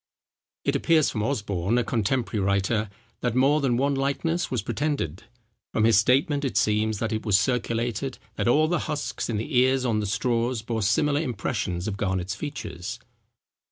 It appears from Osborne, a contemporary writer, that more than one likeness was pretended. From his statement it seems, that it was circulated, that all the husks in the ears on the straws bore similar impressions of Garnet's features.